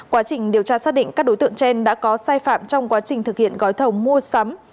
quá trình điều tra xác định các đối tượng trên đã có sai phạm trong quá trình thực hiện gói thầu mua sắm